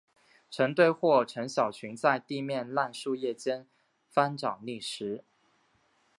成对或成小群在地面烂树叶间翻找觅食。